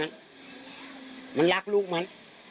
มันรักลูกมัน